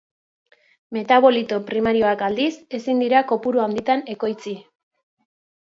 Metabolito primarioak, aldiz, ezin dira kopuru handitan ekoitzi.